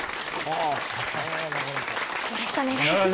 よろしくお願いします。